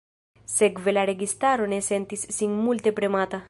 Sekve la registaro ne sentis sin multe premata.